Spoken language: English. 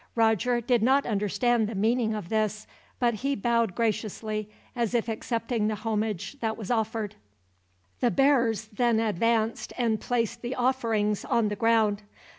Roger did not understand the meaning of this, but he bowed graciously, as if accepting the homage that was offered. The bearers then advanced, and placed the offerings on the ground.